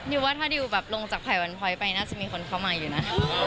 ว่าถ้าดิวแบบลงจากไผ่วันพ้อยไปน่าจะมีคนเข้ามาอยู่นะ